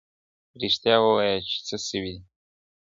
رښتیا ووایه چي څه سوي دي.